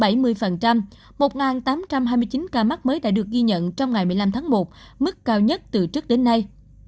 nhiều chính ca mắc mới đã được ghi nhận trong ngày một mươi năm tháng một mức cao nhất từ trước đến nay